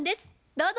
どうぞ。